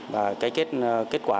và cái kết quả